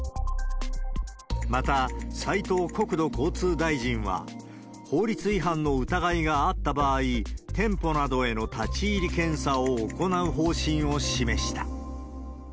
また、斉藤国土交通大臣は、法律違反の疑いがあった場合、店舗などへの立ち入り検査を行う方針を示した。